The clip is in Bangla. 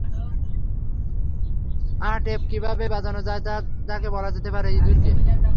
আহ, টেপ কিভাবে বাজানো যায় তা তাকে বলা যেতে পারে ইঁদুর কে?